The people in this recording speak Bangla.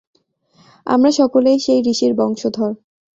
আমরা সকলেই সেই ঋষির বংশধর।